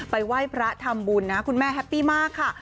ไหว้พระทำบุญนะคุณแม่แฮปปี้มากค่ะ